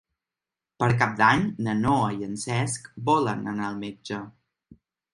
Per Cap d'Any na Noa i en Cesc volen anar al metge.